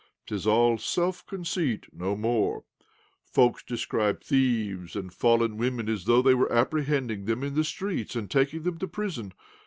'Tis all self conceit— no more. Folk describe thieves and fallen women as though they were apprehending them in the streets and taking them to prison.